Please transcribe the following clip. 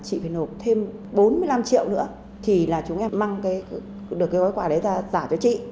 chị phải nộp thêm bốn mươi năm triệu nữa thì là chúng em mang được cái gói quà đấy ra giả cho chị